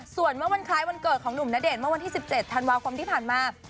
ส่วนเมื่อวันคล้ายวันเกิดของหนุ่มณเดชน์เมื่อวันที่๑๗ธันวาคมที่ผ่านมา